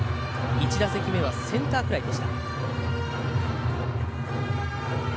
１打席目はセンターフライでした。